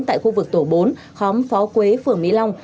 tại khu vực tổ bốn khóm phó quế phường mỹ long